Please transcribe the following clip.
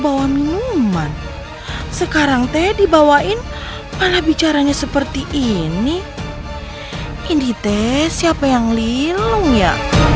bawa minuman sekarang teh dibawain alat bicaranya seperti ini indi teh siapa yang lilung ya